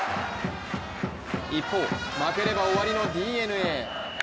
一方、負ければ終わりのＤｅＮＡ。